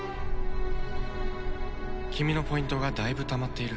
君のポイントがだいぶたまっている。